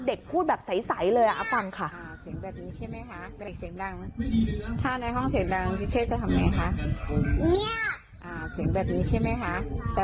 เด็กพูดแบบใสไสเลยอะฟังค่ะ